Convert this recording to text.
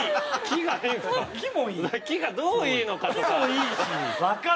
木がどういいのかとか。